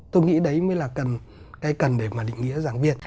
tôi nghĩ đấy mới là cần cái cần để mà định nghĩa giảng viên